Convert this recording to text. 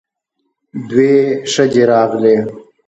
دوې ښځې راغلې.